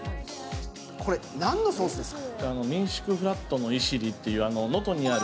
これ、何のソースですか。